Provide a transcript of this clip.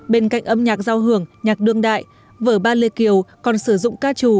bên cạnh âm nhạc do hưởng nhạc đương đại vở ballet kiều còn sử dụng ca trù